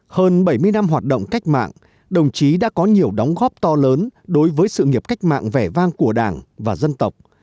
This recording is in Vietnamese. hơn bảy mươi năm hoạt động cách mạng đồng chí đã có nhiều đóng góp to lớn đối với sự nghiệp cách mạng vẻ vang của đảng và dân tộc